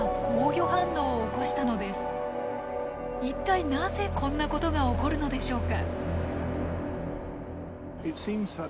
一体なぜこんなことが起こるのでしょうか？